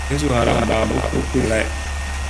Sle suu ɦaramba u kuluffa lay.